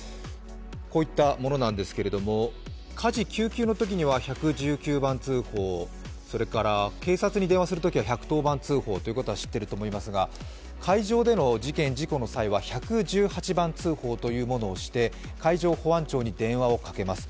こういったものなんですけど火事・救急のときには１１９番通報それから警察に電話するときは１１０番通報ということは知っていると思いますが海上での事件・事故の際は１１８番通報というものをして海上保安庁に電話をかけます。